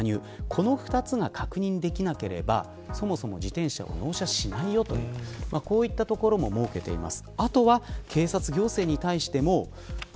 この２つが確認できなければそもそも自転車を納車しないというこういうところも設けています。